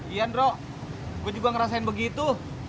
iya nro gue juga ngerasain begitu